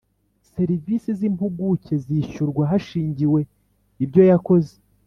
serivisi z impuguke zishyurwa hashingiwe ibyo zakoze